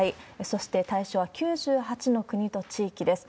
そして、対象は９８の国と地域です。